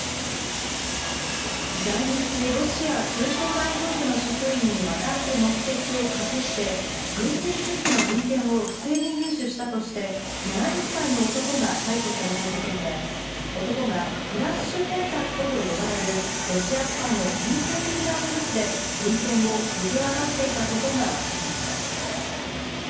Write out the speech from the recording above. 在日ロシア通商代表部の職員に渡す目的を隠して、軍事技術の文献を不正に入手したとして、７０歳の男が逮捕された事件で、男がフラッシュコンタクトと呼ばれるロシアスパイの典型的な手口で文献を受け渡していたことが分かりました。